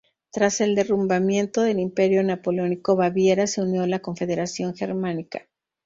Tras el derrumbamiento del Imperio Napoleónico, Baviera se unió a la Confederación Germánica.